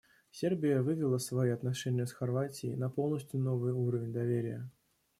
Сербия вывела свои отношения с Хорватией на полностью новый уровень доверия.